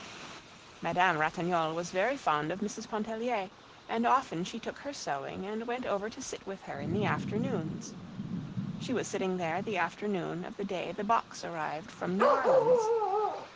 Madame Ratignolle was very fond of Mrs. Pontellier, and often she took her sewing and went over to sit with her in the afternoons. She was sitting there the afternoon of the day the box arrived from New Orleans.